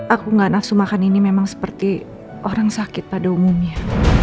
aku nggak nafsu makan ini memang seperti orang sakit pada umumnya